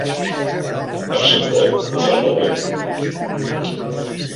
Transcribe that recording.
Per ser un bot, ho fas molt bé.